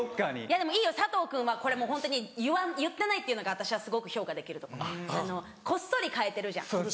いやでもいいよ佐藤君はこれホントに言ってないっていうのが私はすごく評価できるとここっそり替えてるじゃん。